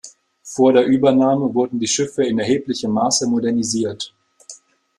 Vor der Übernahme wurden die Schiffe in erheblichem Maße modernisiert.